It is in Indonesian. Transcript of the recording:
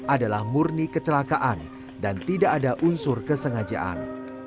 adalah murni kecelakaan dan tidak ada unsur kesengajaan